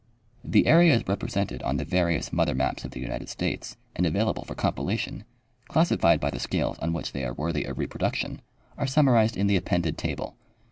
The areas represented on the various mother maps of the United States and available for compilation, classified by the scales on which they are worthy of reproduction, are summarized in the appended table.